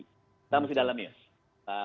kita masih dalam ya